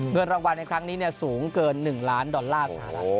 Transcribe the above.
เงินรางวัลในครั้งนี้สูงเกิน๑ล้านดอลลาร์สหรัฐ